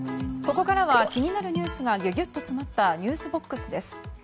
ここからは気になるニュースがギュギュっと詰まったニュースＢＯＸです。